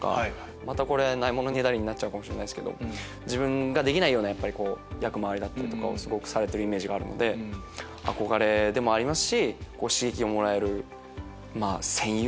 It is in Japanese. またこれないものねだりになっちゃうかもしれないけど自分ができない役回りをされてるイメージがあるので憧れでもありますし。